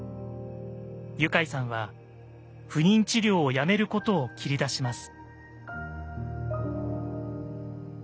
ユカイさんは不妊治療をやめることを切り出します。